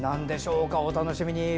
お楽しみに。